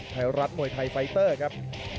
ไทยรัฐมวยไทยไฟเตอร์ครับ